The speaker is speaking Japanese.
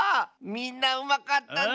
みんなうまかったね。